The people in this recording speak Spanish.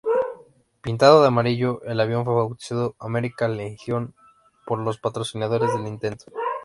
Pintado de amarillo, el avión fue bautizado "American Legion" por los patrocinadores del intento.